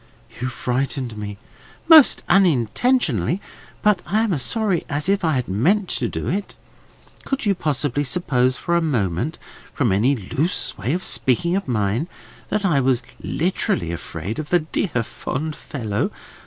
"You frightened me." "Most unintentionally, but I am as sorry as if I had meant to do it. Could you possibly suppose for a moment, from any loose way of speaking of mine, that I was literally afraid of the dear fond fellow?